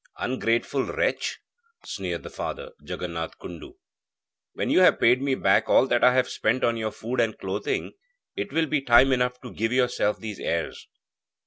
'Ungrateful wretch!' sneered the father, Jaganath Kundu. 'When you have paid me back all that I have spent on your food and clothing, it will be time enough to give yourself these airs.'